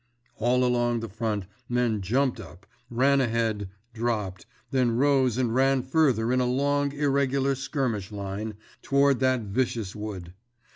_ All along the front men jumped up, ran ahead, dropped, then rose and ran further in a long, irregular skirmish line, toward that vicious wood.